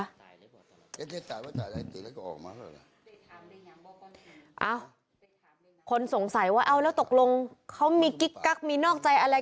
คนสงสัยคนสงสัยว่าเอาแล้วตกลงเขามีกิ๊กกักมีนอกใจอะไร